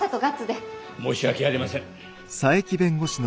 申し訳ありません。